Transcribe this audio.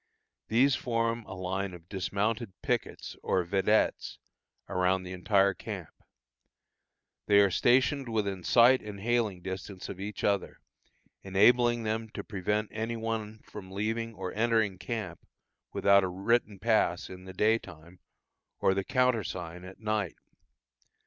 These form a line of dismounted pickets, or vedettes, around the entire camp. They are stationed within sight and hailing distance of each other, enabling them to prevent any one from leaving or entering camp without a written pass in the day time, or the countersign at night.